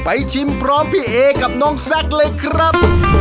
ชิมพร้อมพี่เอกับน้องแซคเลยครับ